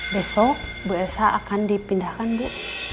besok bu elsa akan dipindahkan bu